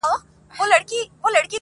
نه له چا سره د مړي د غله غم وو.!